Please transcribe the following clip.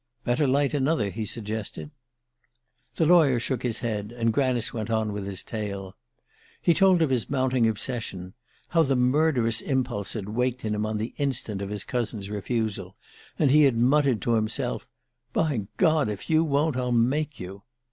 "Better light another," he suggested. The lawyer shook his head, and Granice went on with his tale. He told of his mounting obsession how the murderous impulse had waked in him on the instant of his cousin's refusal, and he had muttered to himself: "By God, if you won't, I'll make you."